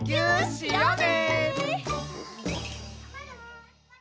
しようね！